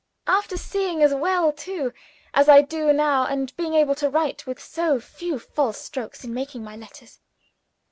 after seeing so well, too, as I do now, and being able to write with so few false strokes in making my letters!